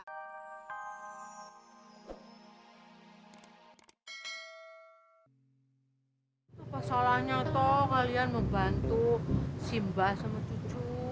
apa salahnya toh kalian membantu simba sama cucu